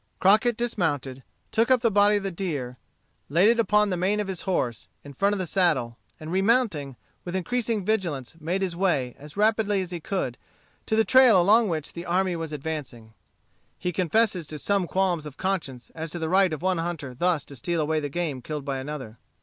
Crockett dismounted, took up the body of the deer, laid it upon the mane of his horse, in front of the saddle, and remounting, with increasing vigilance made his way, as rapidly as he could, to the trail along which the army was advancing. He confesses to some qualms of conscience as to the right of one hunter thus to steal away the game killed by another.